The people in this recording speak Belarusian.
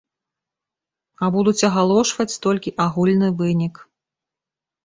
А будуць агалошваць толькі агульны вынік.